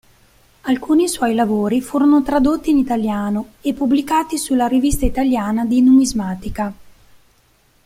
Alcuni suo lavori furono tradotti in italiano e pubblicati sulla Rivista italiana di numismatica.